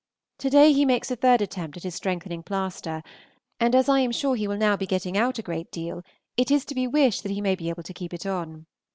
To day he makes a third attempt at his strengthening plaister, and as I am sure he will now be getting out a great deal, it is to be wished that he may be able to keep it on.